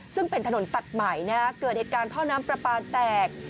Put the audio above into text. ซึ่งเป็นถนนตัดใหม่เกิดเหตุการณ์ท่อน้ำปลาปลาแตก